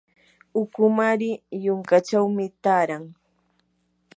ukumari yunkachawmi taaran.